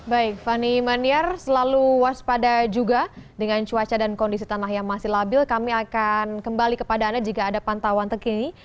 baik fani maniar selalu waspada juga dengan cuaca dan kondisi tanah yang masih labil kami akan kembali kepada anda jika ada pantauan terkini